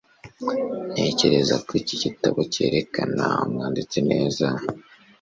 Ntekereza ko iki gitabo cyerekana umwanditsi neza.